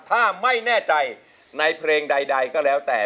ถ้าไม่แน่ใจในเพลงใดก็แล้วแต่